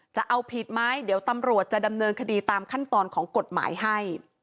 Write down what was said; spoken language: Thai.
จะเอาผิดไหมเดี๋ยวตำรวจจะดำเนินคดีตามขั้นตอนของกฎหมายให้